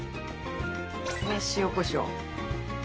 塩こしょう。